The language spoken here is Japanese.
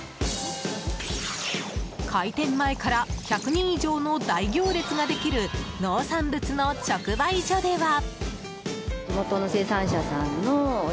開店前から１００人以上の大行列ができる農産物の直売所では。